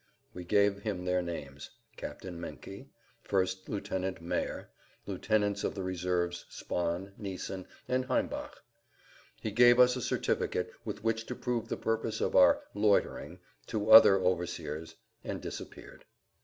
We gave him their names—Captain Menke, First Lieutenant Maier, Lieutenants of the Reserves Spahn, Neesen and Heimbach. He gave us a certificate with which to prove the purpose of our "loitering" to other overseers and disappeared.